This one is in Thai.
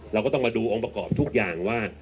เราก็ต้องมาดูองค์ประกอบทุกอย่างว่า